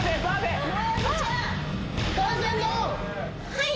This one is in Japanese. はい。